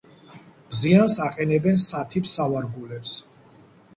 ზიანს აყენებენ სათიბ სავარგულებს.